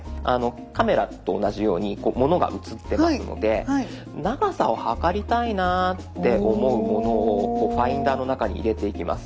カメラと同じようにものが写ってますので長さを測りたいなって思うものをファインダーの中に入れていきます。